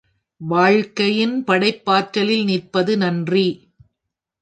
வாழ்க்கையின் படைப்பாற்றலில் நிற்பது நன்றி.